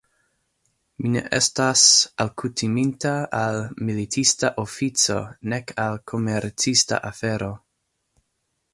Mi ne estas alkutiminta al militista ofico nek al komercista afero.